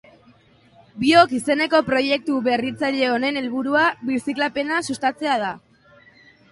Biok izeneko proiektu berritzaile honen helburua birziklapena sustatzea da.